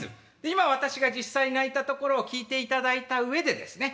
今私が実際鳴いたところを聞いていただいた上でですね